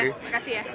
terima kasih ya